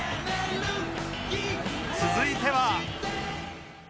続いては